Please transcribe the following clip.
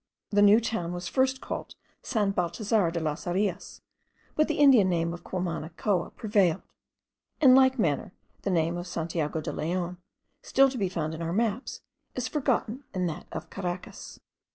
The new town was first called San Baltazar de las Arias; but the Indian name Cumanacoa prevailed; in like manner the name of Santiago de Leon, still to be found in our maps, is forgotten in that of Caracas.